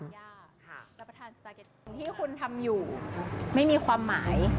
อย่างที่คุณทำอยู่ไม่มีความหมาย